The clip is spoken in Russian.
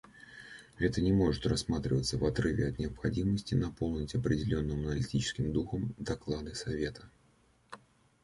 Это не может рассматриваться в отрыве от необходимости наполнить определенным аналитическим духом доклады Совета.